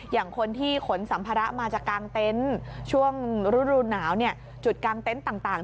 อย่างคนที่ขนสัมภาระมาจากกางเต็นต์ช่วงฤดูหนาวจุดกางเต็นต์ต่าง